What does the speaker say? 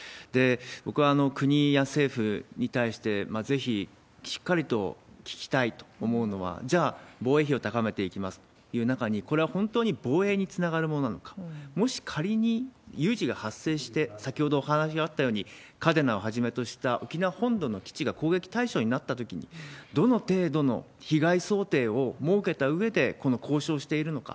僕は国や政府に対して、ぜひしっかりと聞きたいと思うのは、じゃあ防衛費を高めていきますっていうときに、これは本当に防衛につながるものなのか、もし仮に有事が発生して、先ほどお話あったように、嘉手納をはじめとした沖縄本土の基地が攻撃対象になったときに、どの程度の被害想定を設けたうえで交渉しているのか。